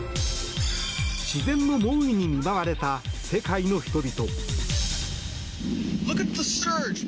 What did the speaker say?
自然の猛威に見舞われた世界の人々。